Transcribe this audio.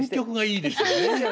いいですよね。